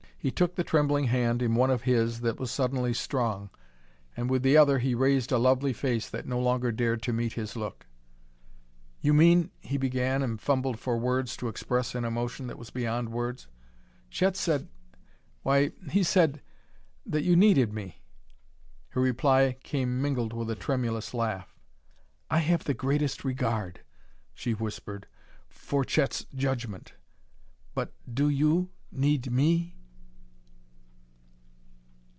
He took the trembling hand in one of his that was suddenly strong, and with the other he raised a lovely face that no longer dared to meet his look. "You mean " he began, and fumbled for words to express an emotion that was beyond words. "Chet said why, he said that you needed me " Her reply came mingled with a tremulous laugh. "I have the greatest regard," she whispered, "for Chet's judgement. But do you need me?"